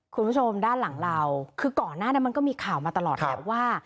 คุณผู้ชมด้านหลังเราคือก่อนหน้านั้นมันก็มีข่าวมาตลอดแหละว่า